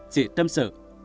chị tâm sự